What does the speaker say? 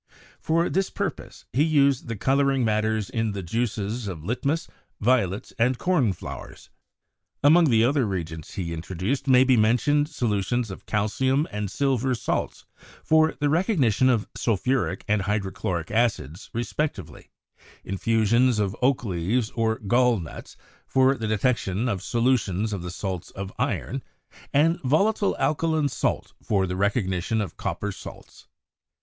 For this purpose, he used the coloring matters in the juices DEVELOPMENT OF SPECIAL BRANCHES 141 of litmus, violets and corn flowers. Among the other re agents he introduced may be mentioned solutions of cal cium and silver salts for the recognition of sulphuric and hydrochloric acids respectively, infusions of oak leaves or gall nuts for the detection of solutions of the salts of iron, and volatile alkaline salt for the recognition of copper salts.